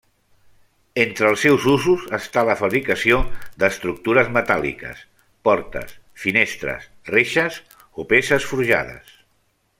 Entre els seus usos està la fabricació d'estructures metàl·liques, portes, finestres, reixes, o peces forjades.